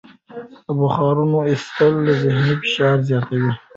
د بخارونو ایستل ذهني فشار زیاتوي.